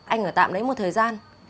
anh ở tạm đấy một thời gian